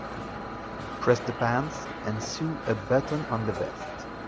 Press the pants and sew a button on the vest.